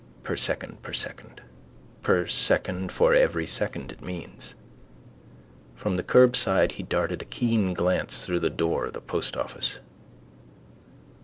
Per second per second. Per second for every second it means. From the curbstone he darted a keen glance through the door of the postoffice.